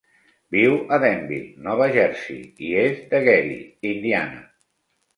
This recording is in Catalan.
Viu a Denville, Nova Jersey, i és de Gary, Indiana.